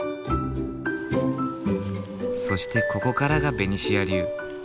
そしてここからがベニシア流。